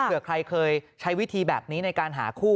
เผื่อใครเคยใช้วิธีแบบนี้ในการหาคู่